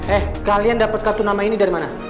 eh kalian dapat kartu nama ini dari mana